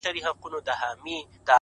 هره هڅه د راتلونکي شکل جوړوي’